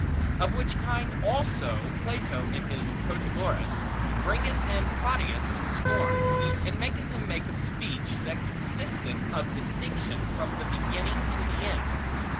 Of which kind also, Plato, in his Protagoras, bringeth in Prodicus in scorn, and maketh him make a speech, that consisteth of distinction from the beginning to the end.